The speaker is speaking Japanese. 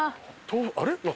あれ？